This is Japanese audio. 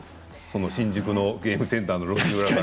その新宿のゲームセンターの路地裏から。